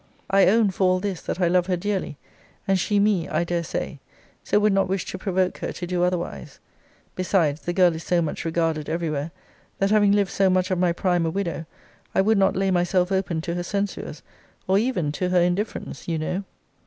I own, for all this, that I love her dearly; and she me, I dare say: so would not wish to provoke her to do otherwise. Besides, the girl is so much regarded every where, that having lived so much of my prime a widow, I would not lay myself open to her censures, or even to her indifference, you know.